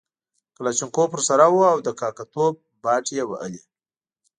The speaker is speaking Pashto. کلاشینکوف ورسره وو او د کاکه توب باټې یې وهلې.